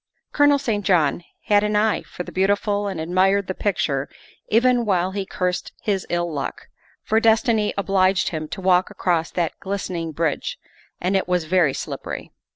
Colonel St. John had an eye for the beautiful and admired the picture even while he cursed his ill luck, THE SECRETARY OF STATE 157 for destiny obliged him to walk across that glistening bridge, and it was very slippery.